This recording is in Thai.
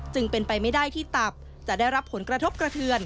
จึงเป็นไปไม่ได้ที่ตับจะได้รับผลกระทบกระเทือน